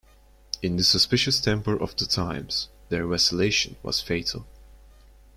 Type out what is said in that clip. In the suspicious temper of the times, their vacillation was fatal.